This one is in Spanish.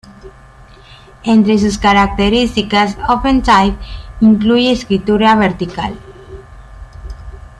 Entre sus características OpenType incluye escritura vertical.